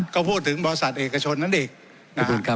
ก็พูดถึงบริษัทเอกชนนั้นอีกนะครับ